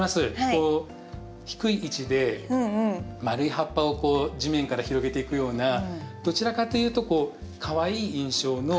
こう低い位置で丸い葉っぱを地面から広げていくようなどちらかというとかわいい印象の。